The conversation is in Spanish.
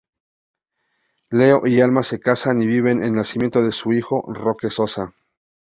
Leo y Alma se casan y viven el nacimiento de su hijo, Roque Sosa.